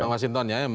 mas hinton ya